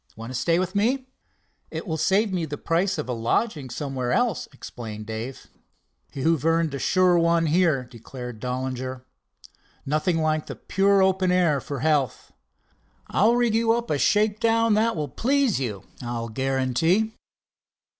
Want to stay with me?" "It will save me the price of a lodging somewhere else," explained Dave. "You've earned a sure one here," declared Dollinger. "Nothing like the pure open air for health. I'll rig you up a shakedown that will please you, I'll guarantee."